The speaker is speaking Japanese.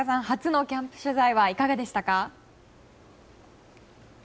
初のキャンプ取材はいかがでしたか？